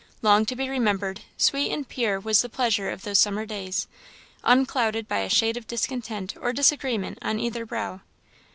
Long to be remembered, sweet and pure, was the pleasure of those summer days, unclouded by a shade of discontent or disagreement on either brow.